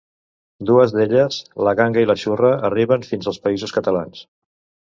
Dues d'elles, la ganga i la xurra, arriben fins als Països Catalans.